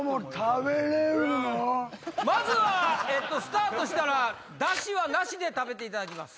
まずはスタートしたら出汁はなしで食べていただきます。